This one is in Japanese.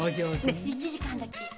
ねっ１時間だけ。